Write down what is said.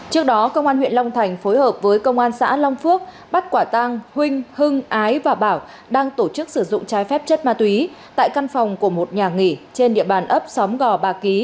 trước đó công an huyện long thành phối hợp với công an xã long phước bắt quả tang huỳnh hưng ái và bảo đang tổ chức sử dụng trái phép chất ma túy tại căn phòng của một nhà nghỉ trên địa bàn ấp xóm gò bà ký